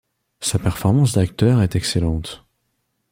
Sa performance d'acteur est excellente.